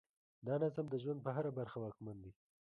دا نظم د ژوند په هره برخه واکمن دی.